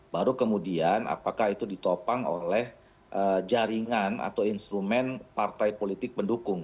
baru kemudian apakah itu ditopang oleh jaringan atau instrumen partai politik pendukung